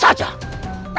kau tahu amin